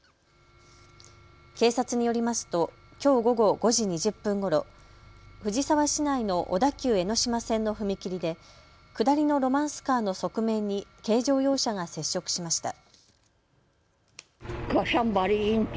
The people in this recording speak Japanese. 警察によりますときょう午後５時２０分ごろ、藤沢市内の小田急江ノ島線の踏切で下りのロマンスカーの側面に軽乗用車が接触しました。